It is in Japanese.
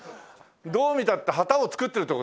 どう見たって旗を作ってる所ですよね？